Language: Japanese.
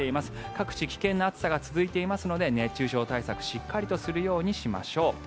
各地、危険な暑さが続いていますので熱中症対策しっかりとするようにしましょう。